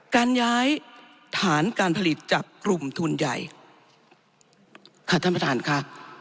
การย้ายฐานการผลิตจากกลุ่มทุนใหญ่ค่ะท่านประธานค่ะ